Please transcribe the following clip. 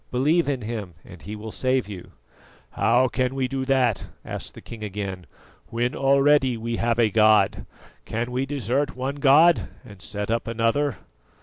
"Believe in Him and He will save you." "How can we do that," asked the king again, "when already we have a god? Can we desert one god and set up another?"